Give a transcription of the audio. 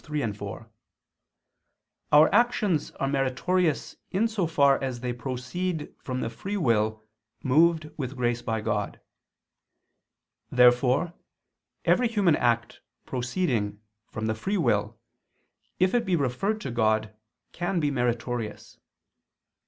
3, 4), our actions are meritorious in so far as they proceed from the free will moved with grace by God. Therefore every human act proceeding from the free will, if it be referred to God, can be meritorious.